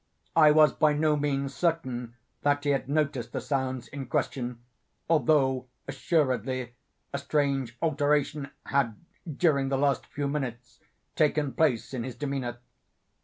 I was by no means certain that he had noticed the sounds in question; although, assuredly, a strange alteration had, during the last few minutes, taken place in his demeanor.